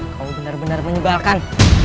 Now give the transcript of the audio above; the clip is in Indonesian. kamu benar benar menyebalkan